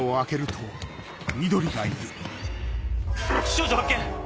少女を発見！